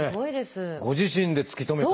ご自身で突き止めて。